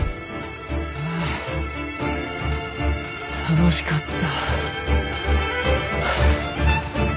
あー楽しかった。